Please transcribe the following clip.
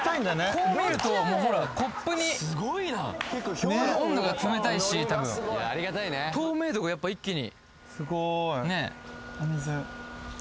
こう見るともうほらコップに温度が冷たいし多分透明度がやっぱ一気にねえ